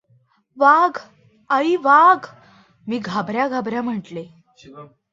"वाघ! आई! वाघ!" मी घाबऱ्या घाबऱ्या म्हटले.